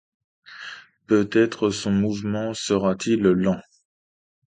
Peut-être son mouvement sera-t-il lent!